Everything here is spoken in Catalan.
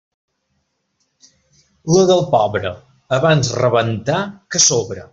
La del pobre: abans rebentar que sobre.